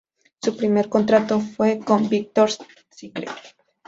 Su primer contrato fue con Victoria’s Secret.